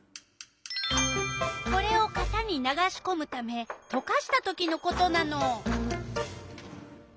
これをかたに流しこむためとかしたときのことなの。